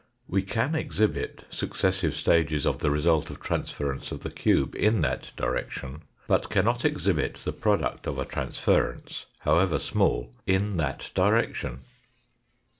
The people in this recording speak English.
We can exhibit successive stages of the result of transference of the cube in that direction, but cannot exhibit the product of a transference, however small, in that direction.